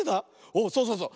おそうそうそう。